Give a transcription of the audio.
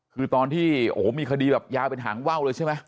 คือตอนที่มีคดียาวเป็นหางว้าวเลยใช่ไหม